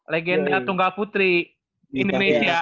legenda tunggal putri indonesia